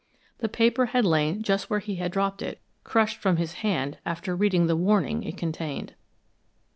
The paper had lain just where he had dropped it, crushed from his hand after reading the warning it contained.